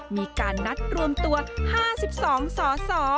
มีการนัดรวมตัว๕๒สส